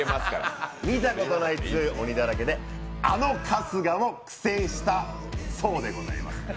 見たことない強い鬼だらけであの春日も苦戦したそうでございます。